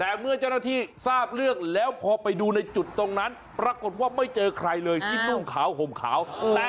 แต่เมื่อเจ้าหน้าที่ทราบเรื่องแล้วพอไปดูในจุดตรงนั้นปรากฏว่าไม่เจอใครเลยที่นุ่งขาวห่มขาว